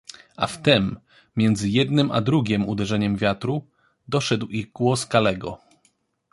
A wtem, między jednym a drugiem uderzeniem wiatru, doszedł ich głos Kalego.